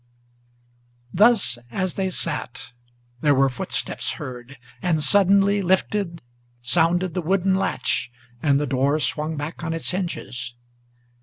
Thus as they sat, there were footsteps heard, and, suddenly lifted, Sounded the wooden latch, and the door swung back on its hinges.